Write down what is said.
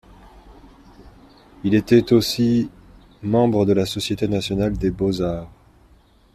Il était aussi membre de la Société nationale des beaux-arts.